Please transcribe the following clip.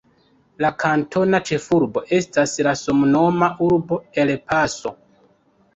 La kantona ĉefurbo estas la samnoma urbo El Paso.